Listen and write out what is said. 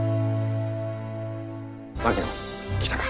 槙野来たか。